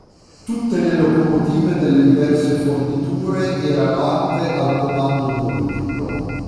Tutte le locomotive delle diverse forniture erano atte al comando multiplo.